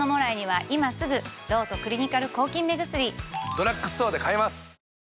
ドラッグストアで買えます！